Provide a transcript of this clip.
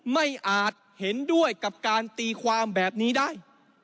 อาจเห็นด้วยกับการตีความแบบนี้ได้